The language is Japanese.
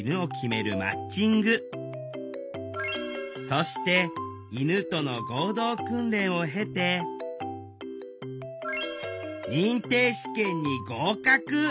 そして犬との合同訓練を経て認定試験に合格！